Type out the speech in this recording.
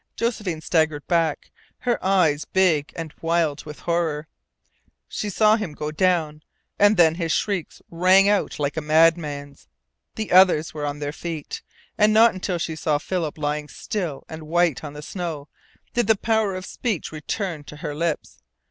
Josephine staggered back, her eyes big and wild with horror. She saw him go down, and then his shrieks rang out like a madman's. The others were on their feet, and not until she saw Philip lying still and white on the snow did the power of speech return to her lips.